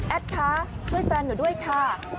แอดค้าช่วยแฟนหน่อยด้วยค่ะ